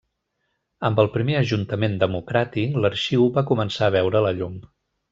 Amb el primer Ajuntament democràtic, l'arxiu va començar a veure la llum.